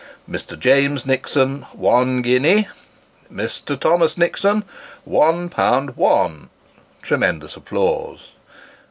] Mr. James Nixon, one guinea Mr. Thomas Nixon, one pound one [tremendous applause].